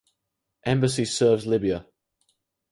Embassy serves Libya.